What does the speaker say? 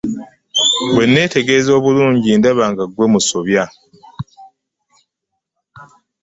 Bwe nneetegereza obulungi ndaba nga ggwe musobya.